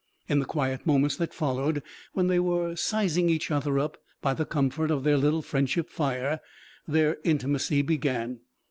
In the quiet moments that followed, when they were sizing each other up by the comfort of their little friendship fire, their intimacy began.